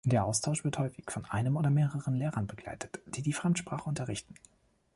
Der Austausch wird häufig von einem oder mehreren Lehrern begleitet, die die Fremdsprache unterrichten.